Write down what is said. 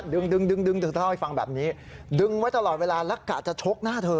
ดึงถ้าให้ฟังแบบนี้ดึงไว้ตลอดเวลารักกะจะชกหน้าเธอ